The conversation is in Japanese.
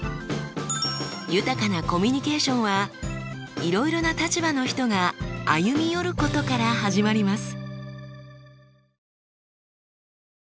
豊かなコミュニケーションはいろいろな立場の人が歩み寄ることから始まります。